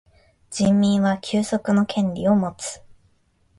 人民は休息の権利をもつ。